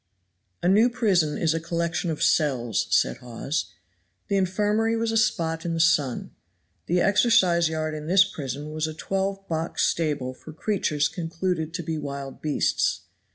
"A new prison is a collection of cells," said Hawes. The infirmary was a spot in the sun. The exercise yard in this prison was a twelve box stable for creatures concluded to be wild beasts.